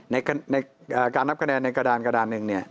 ในการนับคะแนนในกระดานหนึ่ง